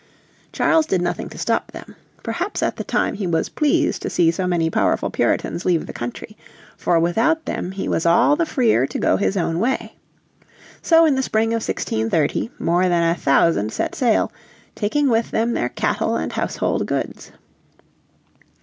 Charles did nothing to stop them. Perhaps at the time he was pleased to see so many powerful Puritans leave the country, for without them he was all the freer to go his own way. So in the spring of 1630 more than a thousand set sail, taking with them their cattle and household goods.